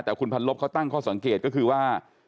แต่คุณพันลบเขาตั้งข้อสังเกตก็คือว่า